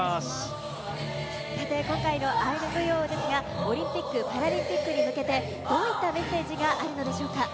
さて、今回のアイヌ舞踊ですが、オリンピック・パラリンピックに向けて、どういったメッセージがあるのでしょうか？